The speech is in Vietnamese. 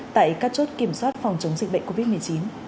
tại các chốt kiểm soát phòng chống dịch bệnh covid một mươi chín